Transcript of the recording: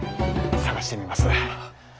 探してみます。